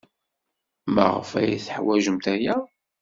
Maɣef ay teḥwajemt aya?